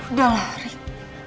udah lah rik